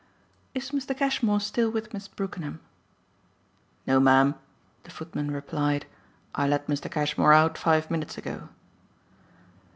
"Is Mr. Cashmore still with Miss Brookenham?" "No, ma'am," the footman replied. "I let Mr. Cashmore out five minutes ago."